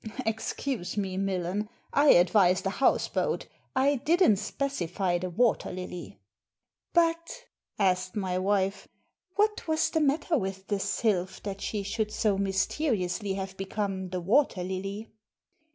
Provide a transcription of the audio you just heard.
*" Excuse me, Millen, I advised a houseboat I didn't specify the Water Lily!' " But," asked my wife, " what was the matter with the Sylph that she should so mysteriously have become the Water Lily?